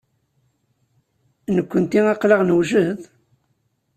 Nekkenti aql-aɣ newjed?